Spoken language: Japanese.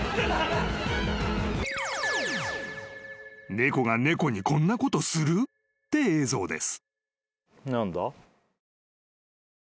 ［「猫が猫にこんなことする？」って映像です］